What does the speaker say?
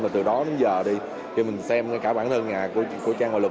và từ đó đến giờ thì mình xem cả bản thân nhà của trang hội luật